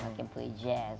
saya bisa bermain jazz